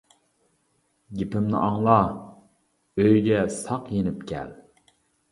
گېپىمنى ئاڭلا، ئۆيگە ساق يېنىپ كەل.